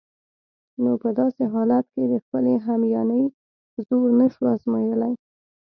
نو په داسې حالت کې د خپلې همیانۍ زور نشو آزمایلای.